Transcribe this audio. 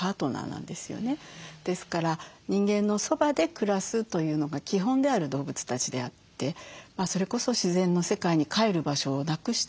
ですから人間のそばで暮らすというのが基本である動物たちであってそれこそ自然の世界にかえる場所をなくした動物なんです。